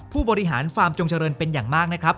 ผู้บริหารฟาร์มจงเจริญเป็นอย่างมากนะครับ